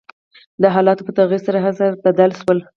د حالاتو په تغير سره هر څه بدل شول .